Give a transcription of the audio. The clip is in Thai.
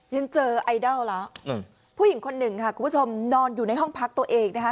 ยังเจอไอดอลแล้วผู้หญิงคนหนึ่งค่ะคุณผู้ชมนอนอยู่ในห้องพักตัวเองนะคะ